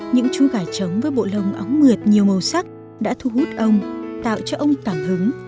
những chú gà trống với bộ lông óng mượt nhiều màu sắc đã thu hút ông tạo cho ông cảm hứng